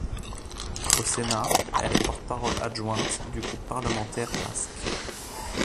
Au Sénat, elle est porte-parole adjointe du groupe parlementaire basque.